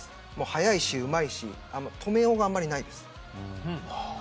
速いし、うまいし止めようがあんまりないです。